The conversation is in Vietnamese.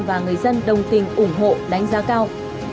và người dân đồng tình ủng hộ đánh giá cao